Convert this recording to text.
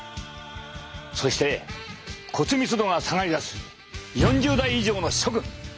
そして骨密度が下がりだす４０代以上の諸君！